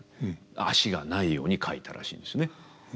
足がないように描いたらしいんですね